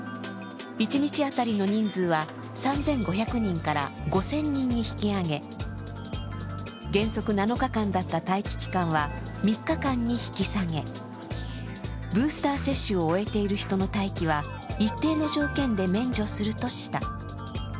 一日当たりの人数は３５００人から５０００人に引き上げ原則７日間だった待機期間は３日に引き下げ、ブースター接種を終えている人の待機は一定の条件で免除するとした。